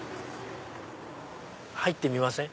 入ってみません？